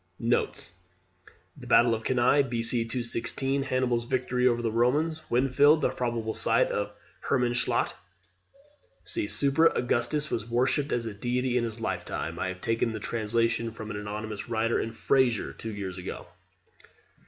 [Notes: The battle of Cannae, B.C. 216 Hannibal's victory over the Romans. Winfield the probable site of the "Herrmanschladt." See SUPRA. Augustus was worshipped as a deity in his lifetime. I have taken this translation from an anonymous writer in FRASER, two years ago.